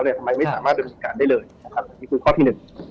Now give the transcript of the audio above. ทำไมไม่สามารถเป็นปฏิการได้เลยนี่คือข้อที่๑